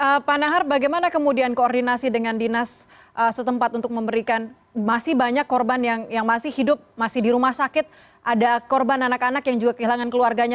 oke pak nahar bagaimana kemudian koordinasi dengan dinas setempat untuk memberikan masih banyak korban yang masih hidup masih di rumah sakit ada korban anak anak yang juga kehilangan keluarganya